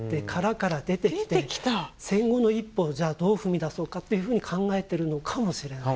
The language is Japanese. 戦後の一歩をじゃあどう踏み出そうかというふうに考えてるのかもしれない。